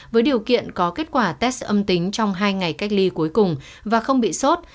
với điều kiện có kết quả test âm tính trong hai ngày cách ly cuối cùng và không bị sốt